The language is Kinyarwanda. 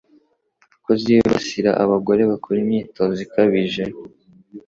ko zibasira abagore bakora imyitozo ikabije